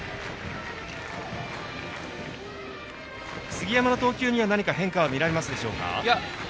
杉山の投球には何か変化は見られるでしょうか？